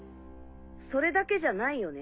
それだけじゃないよね？